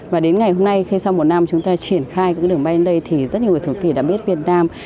và đến ngày hôm nay khi xong một năm chúng ta triển khai các đường bay đến đây thì rất nhiều người thổ nhĩ kỳ đã biết việt nam